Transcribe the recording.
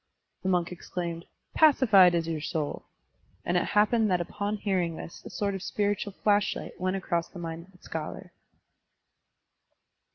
The monk exclaimed, "Pacified is your soul!" and it happened that upon hearing this a sort of spiritual flashlight went across the mind of the scholar.